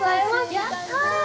やった！